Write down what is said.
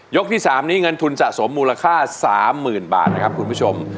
ที่๓นี้เงินทุนสะสมมูลค่า๓๐๐๐บาทนะครับคุณผู้ชม